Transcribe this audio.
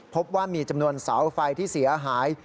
พบว่ามีจำนวนเสาไฟที่เสียหาย